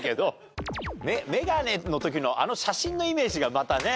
メガネの時のあの写真のイメージがまたね。